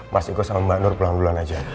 mas iko sama mbak nur pulang duluan aja